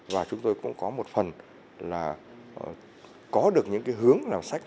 và chúng tôi cũng có một phần là có được những cái hướng nào sách